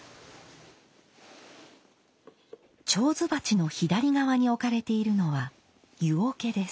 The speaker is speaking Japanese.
手水鉢の左側に置かれているのは湯桶です。